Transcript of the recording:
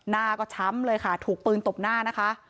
หน้าก็ช้ำเลยค่ะถูกปืนตบหน้านะคะ